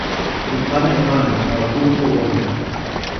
mi pana e mani tawa kulupu olin.